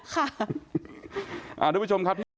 ค่ะอ่าทุกผู้ชมครับ